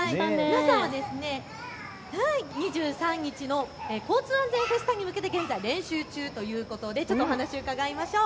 皆さんは２３日の交通安全フェスタに向けて現在、練習中ということでお話を伺いましょう。